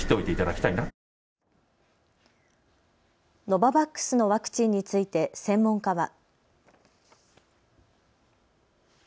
ノババックスのワクチンについて専門家は。